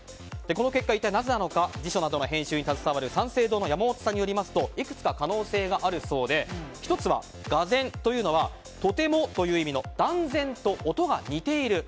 この結果、一体なぜなのか辞書などの編集に携わる三省堂の山本さんによりますといくつか可能性があるそうで１つは、がぜんというのはとてもという意味の「だんぜん」と音が似ている。